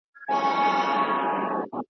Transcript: دا دي کوم جهان لیدلی دی په خوب کي ,